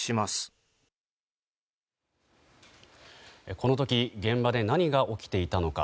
この時現場で何が起きていたのか。